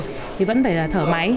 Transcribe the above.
thì vẫn phải thở máy